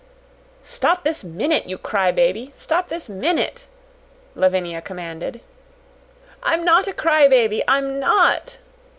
"Stop this minute, you cry baby! Stop this minute!" Lavinia commanded. "I'm not a cry baby ... I'm not!"